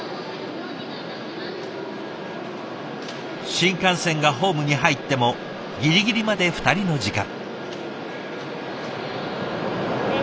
新幹線がホームに入ってもギリギリまで２人の時間。